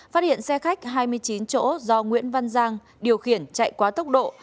phát hiện xe khách hai mươi chín chỗ do nguyễn văn giang điều khiển chạy quá tốc độ